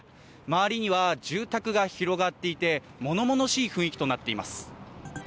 周りには住宅が広がっていて物々しい雰囲気となっています。